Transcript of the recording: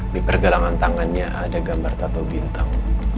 di pergelangan tangannya ada gambar tata bintang